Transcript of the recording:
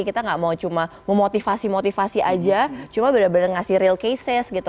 kita gak mau cuma memotivasi motivasi aja cuma bener bener ngasih real cases gitu